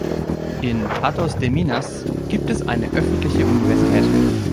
In Patos de Minas gibt es eine öffentliche Universität.